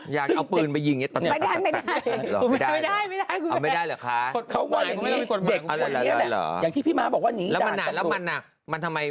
อยากเอาปืนไปยิงไอที่ต่างตอนนี้